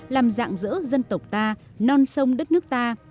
làm dạng dỡ dân tộc ta non sông đất nước ta